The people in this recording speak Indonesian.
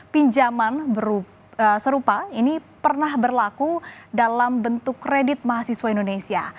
pinjaman serupa ini pernah berlaku dalam bentuk kredit mahasiswa indonesia